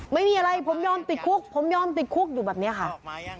ไม่มีอะไรผมยอมติดคุกผมยอมติดคุกอยู่แบบนี้ค่ะ